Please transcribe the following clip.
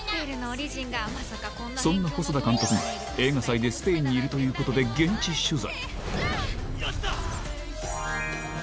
そんな細田監督が映画祭でスペインにいるということで現地取材